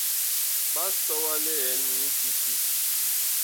Ɓa sɔ wa liɛn nyi kiti.